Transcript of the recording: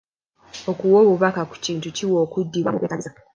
Okuwa obubaka ku kintu kiwa okuddibwamu okwetaagisa.